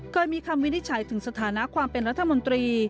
เคยมีคำวินิจฉัยถึงสถานะความเป็นรัฐมนตรี